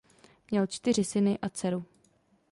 Měl čtyři syny a dceru.